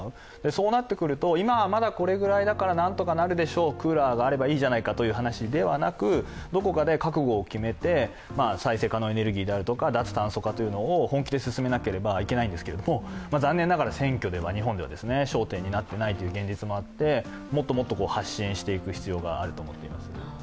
そうなってくると、今はまだこれぐらいだからなんとかなるでしょう、クーラーがあればいいじゃないかという話ではなく、どこかで覚悟を決めて、再生可能エネルギーであるとか、脱炭素化というのを本気で進めなければいけないんですけど残念ながら選挙では日本では焦点になっていない現実があってもっともっと発信していく必要があると思っています。